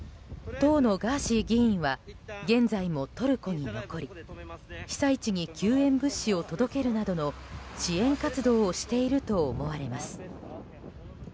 当のガーシー議員は現在もトルコに残り被災地に救援物資を届けるなどの支援活動をしていると思われます。